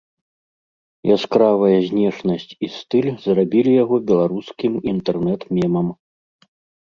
Яскравая знешнасць і стыль зрабілі яго беларускім інтэрнэт-мемам.